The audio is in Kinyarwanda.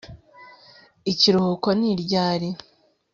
ikiruhuko ni ryari